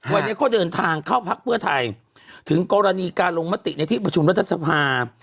วันนี้เขาเดินทางเข้าพักเพื่อไทยถึงกรณีการลงมติในที่ประชุมรัฐสภา